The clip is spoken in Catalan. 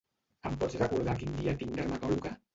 Em pots recordar quin dia tinc dermatòloga?